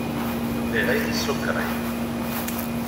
Bɣiɣ ayen isukṛin.